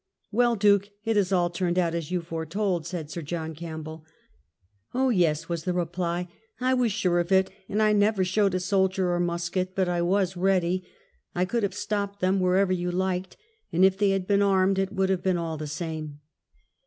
"Well, Duke, it has all turned out as you foretold," said Sir John CampbelL "Oh yes," was the reply, "I was sure of it, and I never showed a soldier or musk«t. But I was ready. I could have stopped them wherever you liked, and if they had been armed it would have been all the same."